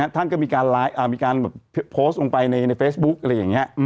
ท่านก็มีการโพสต์ลงไปในเฟซบุ๊กอะไรอย่างนี้